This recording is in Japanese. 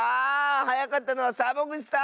はやかったのはサボぐちさん！